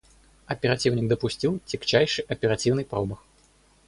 Оперативник допустил тягчайший оперативный промах.